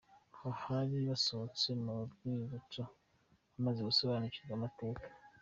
Aha bari basohotse mu rwibutso bamaze gusobanurirwa amateka.